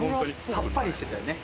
さっぱりしてたよね。